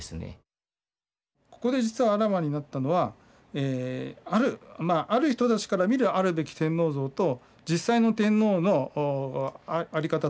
ここで実はあらわになったのはある人たちから見るあるべき天皇像と実際の天皇のあり方とのギャップなんですね。